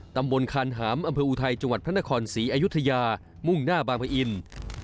ตำบลคานหามอำเภออุทัยจังหวัดพระนครศรีอยุธยามุ่งหน้าบางพะอินทร์